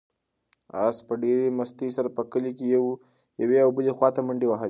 آس په ډېرې مستۍ سره په کلي کې یوې او بلې خواته منډې وهلې.